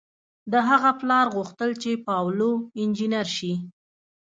د هغه پلار غوښتل چې پاولو انجنیر شي.